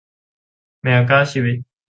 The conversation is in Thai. แมวเก้าชีวิต